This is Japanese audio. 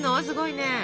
すごいね！